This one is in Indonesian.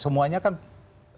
sebenarnya kan sejauh sejauh